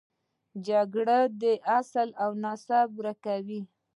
جګړه ده چې اصل او نسب یې ورک کړ.